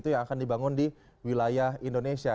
yang di wilayah indonesia